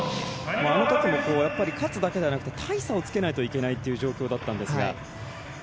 あのときも勝つだけではなくて大差をつけないといけないという状況だったんですが。